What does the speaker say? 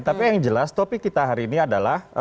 tapi yang jelas topik kita hari ini adalah